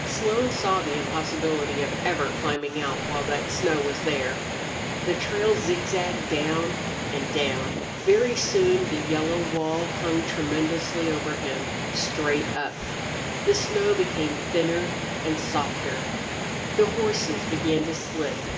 Slone saw the impossibility of ever climbing out while that snow was there. The trail zigzagged down and down. Very soon the yellow wall hung tremendously over him, straight up. The snow became thinner and softer. The horses began to slip.